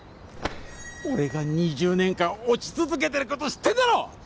俺が２０年間落ち続けてること知ってんだろッ？